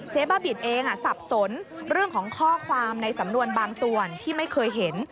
บ้าบินเองสับสนเรื่องของข้อความในสำนวนบางส่วนที่ไม่เคยเห็น